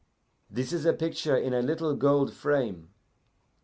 This is a picture in a little gold frame.